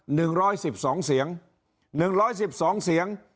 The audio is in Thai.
หนึ่งร้อยสิบสองเสียงหนึ่งร้อยสิบสองเสียง